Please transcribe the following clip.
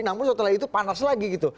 namun setelah itu panas lagi gitu